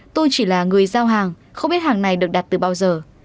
tôi chỉ là người giao hàng không biết hàng này được đặt từ bao giờ